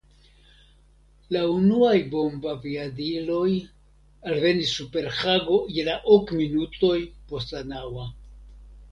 La unuaj bombaviadiloj alvenis super Hago je la ok minutoj post la naŭa.